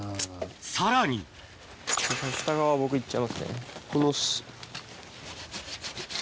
さらに下側僕行っちゃいますね。